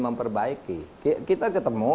memperbaiki kita ketemu